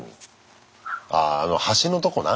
あああの端のとこな。